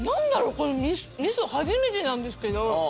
この味噌初めてなんですけど。